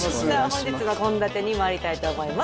本日の献立にまいりたいと思います